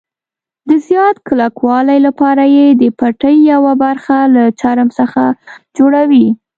د زیات کلکوالي لپاره یې د پټۍ یوه برخه له چرم څخه جوړوي.